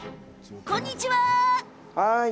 こんにちは。